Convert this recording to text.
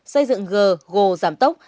xây dựng gờ gồ giảm tốc